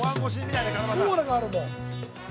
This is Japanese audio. オーラがあるもん。